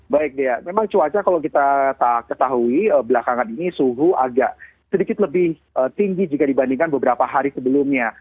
baik dea memang cuaca kalau kita ketahui belakangan ini suhu agak sedikit lebih tinggi jika dibandingkan beberapa hari sebelumnya